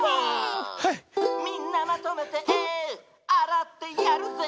「みんなまとめてあらってやるぜ」